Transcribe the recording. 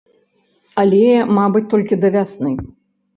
Але, мабыць, толькі да вясны.